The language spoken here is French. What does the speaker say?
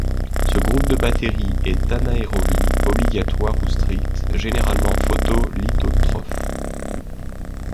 Ce groupe de bactéries est anaérobie obligatoire ou stricte, généralement photolithotrophe.